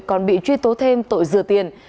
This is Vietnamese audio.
còn bị truy tố thêm tội dừa tiền